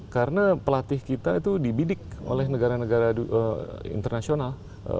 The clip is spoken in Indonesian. karena pelatih kita itu dibidik oleh negara negara internasional